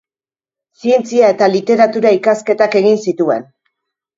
Zientzia- eta literatura-ikasketak egin zituen.